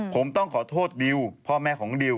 ผมต้องขอโทษดิวพ่อแม่ของดิว